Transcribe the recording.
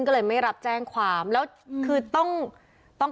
ก็เลยไม่รับแจ้งความแล้วคือต้องต้อง